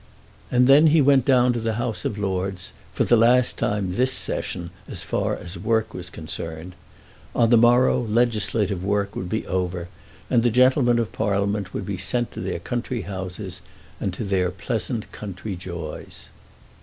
And then he went down to the House of Lords, for the last time this Session as far as work was concerned. On the morrow legislative work would be over, and the gentlemen of Parliament would be sent to their country houses, and to their pleasant country joys.